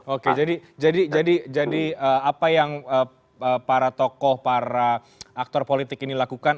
oke jadi apa yang para tokoh para aktor politik ini lakukan